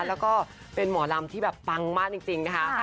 แล้วก็เป็นหมอลำที่แบบปังมากจริงนะคะ